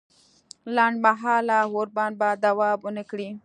لنډ مهاله اوربند به دوام ونه کړي